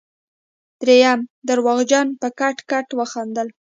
دريم درواغجن په کټ کټ وخندل.